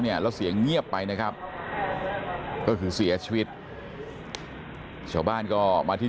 เนี่ยแล้วเสียงเงียบไปนะครับก็คือเสียชีวิตชาวบ้านก็มาที่